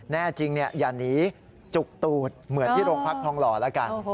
แน่จริงอย่าหนีจุกตูดเหมือนที่โรงพักทองหล่อแล้วกัน